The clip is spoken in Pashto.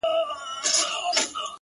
• ځکه نو خپل لاسونه په رنګونو ولړي ,